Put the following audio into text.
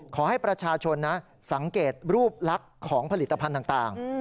ขอให้ประชาชนนะสังเกตรูปลักษณ์ของผลิตภัณฑ์ต่าง